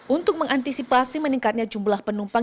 untuk mengantisipasi meningkatnya jumlah penumpang